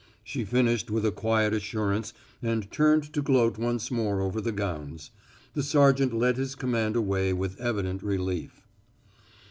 She finished with a quiet assurance and turned to gloat once more over the gowns. The sergeant led his command away with evident relief.